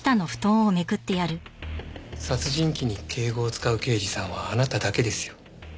殺人鬼に敬語を使う刑事さんはあなただけですよ。